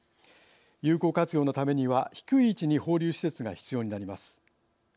有効活用のためには低い位置に放流施設が必要になります。